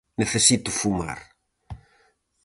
_Necesito fumar.